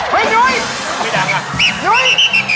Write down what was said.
เฮ้ยนุ้ยนุ้ย